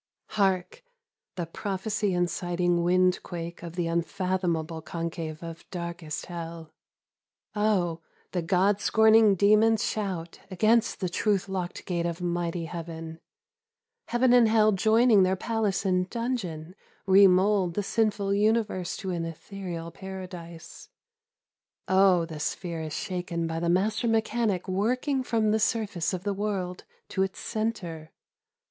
Hark ! The prophecy inciting windquake of the unfathom able concave of darkest Hell !. O, the God scorning demon's shout against the truth locked gate of mighty Heaven ! Heaven and Hell joining their palace and dungeon, remould the sinful universe to an ethereal paradise — O, the sphere is shaken by the Master Mechanic working from the surface of the world to its center !